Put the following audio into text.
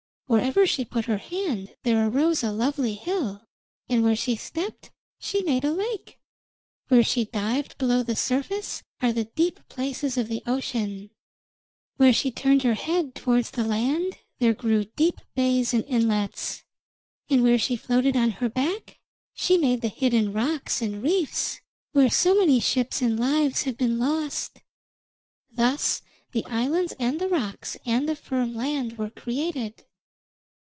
Wherever she put her hand there arose a lovely hill, and where she stepped she made a lake. Where she dived below the surface are the deep places of the ocean, where she turned her head towards the land there grew deep bays and inlets, and where she floated on her back she made the hidden rocks and reefs where so many ships and lives have been lost. Thus the islands and the rocks and the firm land were created.